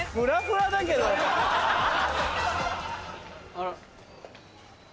あら？